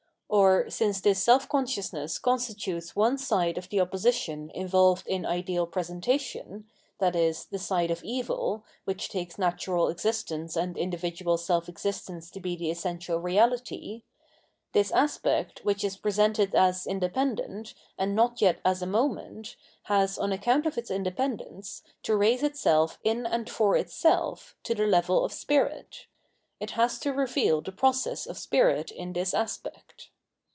Or, since this self consciousness constitutes one side of the opposition involved in ideal presentation, viz. the side of evil, which takes natural existence and individual self existence to be the essential reahty — this aspect, which is presented as independent, and not yet as a moment, has, on account of its independence, to raise itself in and for itself, to the level of Spirit ; it has to reveal the process of Spirit in this aspect.